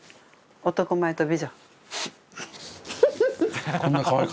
男前と美女。